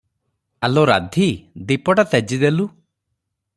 ଆଲୋ ରାଧୀ! ଦୀପଟା ତେଜି ଦେଲୁ ।